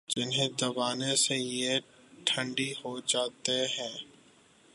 ۔ جنہیں دبانے سے یہ ٹھنڈی ہوجاتے ہیں۔